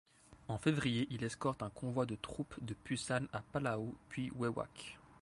En février, il escorte un convoi de troupes de Pusan à Palau puis Wewak.